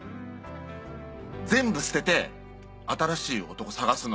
全部捨てて新しい男探すの。